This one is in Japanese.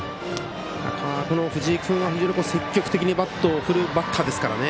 この藤井君は積極的にバットを振るバッターですからね。